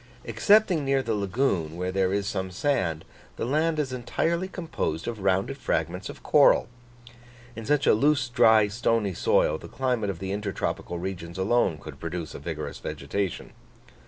Excepting near the lagoon, where there is some sand, the land is entirely composed of rounded fragments of coral. In such a loose, dry, stony soil, the climate of the intertropical regions alone could produce a vigorous vegetation.